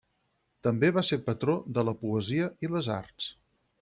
També va ser patró de la poesia i les arts.